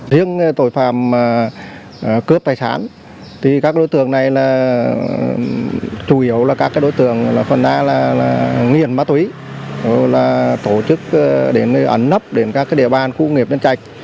riêng tội phạm cướp tài sản thì các đối tượng này là chủ yếu là các đối tượng phần a là nghiện má túy là tổ chức để ấn hấp đến các địa bàn khu nghiệp nhân trạch